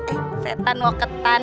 eh setan wah ketan